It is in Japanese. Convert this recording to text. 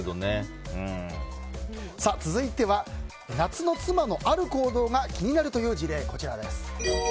続いては夏の妻のある行動が気になるという事例。